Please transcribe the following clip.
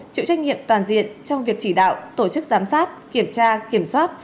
chịu trách nhiệm toàn diện trong việc chỉ đạo tổ chức giám sát kiểm tra kiểm soát